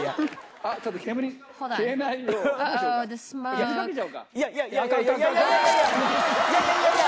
あっ、ちょっと煙、消えないよぉ。